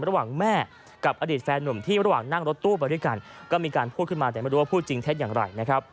ระหว่างแม่กับอดีตแฟนหนุ่มที่ระหว่างนั่งรถตู้ไปด้วยกันก็มีการพูดขึ้นมาแต่ไม่รู้ว่าพูดจริงเท็จอย่างไรนะครับ